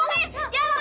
aduh aduh aduh aduh